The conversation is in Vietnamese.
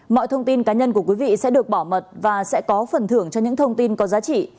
mọi thông tin cá nhân của quý vị sẽ được bảo mật và sẽ có phần thưởng cho những thông tin có giá trị